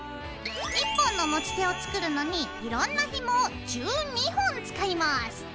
１本の持ち手を作るのにいろんなひもを１２本使います。